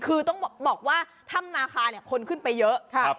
คือต้องบอกว่าถ้ำนาคาเนี่ยคนขึ้นไปเยอะ